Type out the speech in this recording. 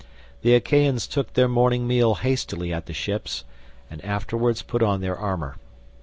The Achaeans took their morning meal hastily at the ships, and afterwards put on their armour.